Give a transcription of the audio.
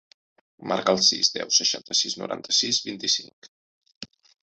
Marca el sis, deu, seixanta-sis, noranta-sis, vint-i-cinc.